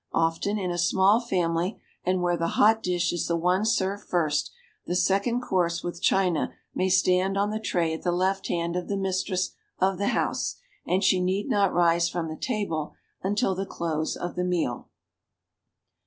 Often, in a small family and where the hot dish is the one served first, llie second course witli china may stand on the tray at the left hand of the mistress of the house and she need not rise from the table until the close of the meal.